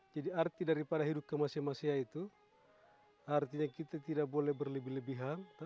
jadi arti daripada hidupkan masyarakat itu artinya kita tidak boleh berlebihan